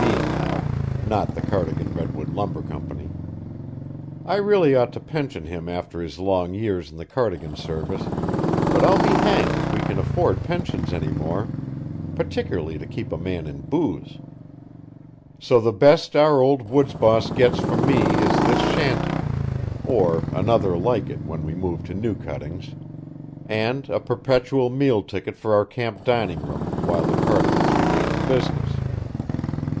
B. now, not the Cardigan Redwood Lumber Company. I really ought to pension him after his long years in the Cardigan service, but I'll be hanged if we can afford pensions any more particularly to keep a man in booze; so the best our old woods boss gets from me is this shanty, or another like it when we move to new cuttings, and a perpetual meal ticket for our camp dining room while the Cardigans remain in business.